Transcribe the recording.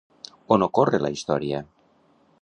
On ocorre la història?